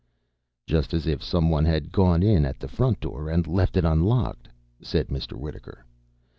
"Just as if some one had gone in at the front door and left it unlocked," said Mr. Wittaker.